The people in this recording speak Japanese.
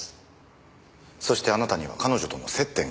そしてあなたには彼女との接点がある。